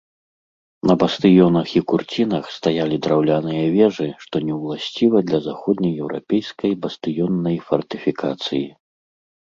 На бастыёнах і курцінах стаялі драўляныя вежы, што не ўласціва для заходне-еўрапейскай бастыённай фартыфікацыі.